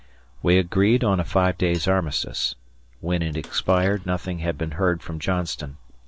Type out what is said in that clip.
We agreed on a five days' armistice. When it expired nothing had been heard from Johnston.